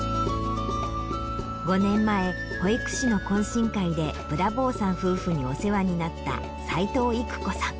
５年前保育士の懇親会でブラボーさん夫婦にお世話になった齊藤伊久子さん。